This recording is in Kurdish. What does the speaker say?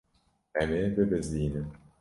Em ê bibizdînin.